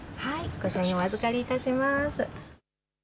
御書印、お預かりいたします。